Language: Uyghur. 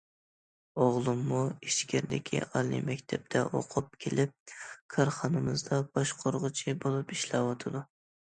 ئوغلۇممۇ ئىچكىرىدىكى ئالىي مەكتەپتە ئوقۇپ كېلىپ كارخانىمىزدا باشقۇرغۇچى بولۇپ ئىشلەۋاتىدۇ.